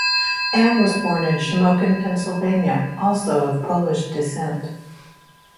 Anna was born in Shamokin, Pennsylvania, also of Polish descent.